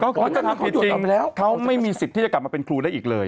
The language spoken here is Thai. ก็คือความผิดจริงเขาไม่มีสิทธิ์ที่จะกลับมาเป็นครูได้อีกเลย